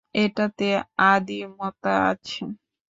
এটাতে আদিমতা আছে।